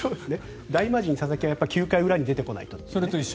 大魔神・佐々木が９回裏に出てこないと。